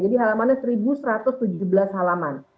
halamannya seribu satu ratus tujuh belas halaman